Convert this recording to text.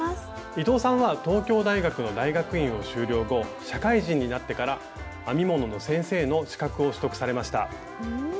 伊藤さんは東京大学の大学院を修了後社会人になってから編み物の先生の資格を取得されました。